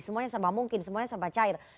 semuanya sama mungkin semuanya sama cair